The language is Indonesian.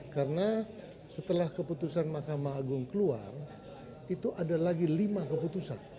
karena setelah keputusan mahkamah agung keluar itu ada lagi lima keputusan